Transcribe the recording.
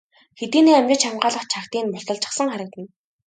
Хэдийнээ амжиж хамгаалах чагтыг нь мулталчихсан харагдана.